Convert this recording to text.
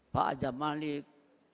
pak adam malik